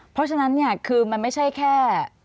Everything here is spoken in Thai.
เพราะฉะนั้นเนี่ยคือมันไม่ใช่แค่